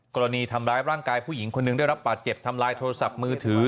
กรณีทำร้ายร่างกายผู้หญิงคนหนึ่งได้รับบาดเจ็บทำลายโทรศัพท์มือถือ